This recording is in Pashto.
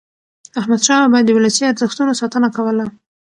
احمدشاه بابا د ولسي ارزښتونو ساتنه کوله.